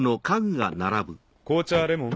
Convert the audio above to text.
紅茶はレモン？